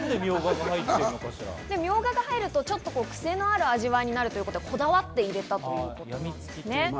ミョウガが入るとクセのある味わいになるということで、こだわって入れたということです。